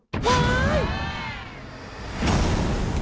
โปรดติดตามตอนต่อไป